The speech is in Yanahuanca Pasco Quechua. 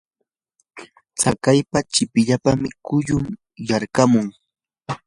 tsakaypa chipipillapa quyllur yarqamun.